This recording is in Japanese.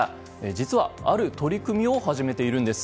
実は、ある取り組みを始めているんです。